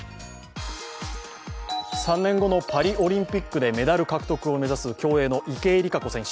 ３年後のパリオリンピックでメダル獲得を目指す競泳の池江璃花子選手。